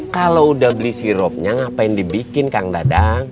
kalau udah beli sirupnya ngapain dibikin kang dadang